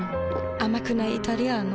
「甘くないイタリアーノ」